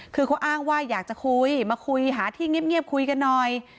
คือเขาอ้างว่าอยากจะคุยมาคุยหาที่เงียบคุยกันหน่อย